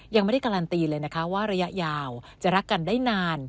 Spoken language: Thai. ยังไม่ได้การันตีเลยนะคะว่าระยะยาวจะรักกันได้นาน